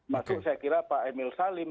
maksud saya kira pak emil salim